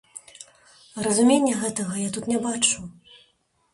Разумення гэтага я тут не бачу.